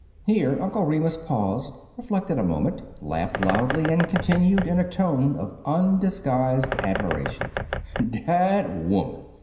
Here Uncle Remus paused, reflected a moment, laughed loudly, and continued in a tone of undisguised admiration: — Dat 'oman!